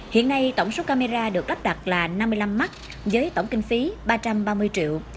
hiện nay tổng số camera được lắp đặt là năm mươi năm mắt với tổng kinh phí ba trăm ba mươi triệu